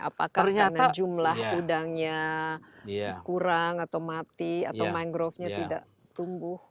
apakah karena jumlah udangnya kurang atau mati atau mangrovenya tidak tumbuh